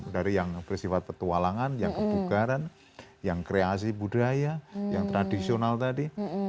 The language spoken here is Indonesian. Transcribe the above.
dari yang bersifat petualangan yang kebugaran yang kreasi budaya yang tradisional tadi